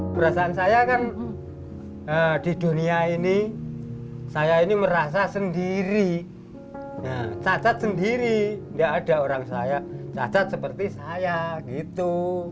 perasaan saya kan di dunia ini saya ini merasa sendiri cacat sendiri nggak ada orang saya cacat seperti saya gitu